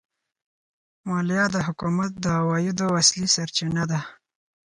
مالیه د حکومت د عوایدو اصلي سرچینه ده.